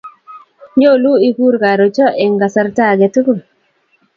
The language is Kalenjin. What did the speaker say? Nyolu ikur karucho eng kasarta ake tugul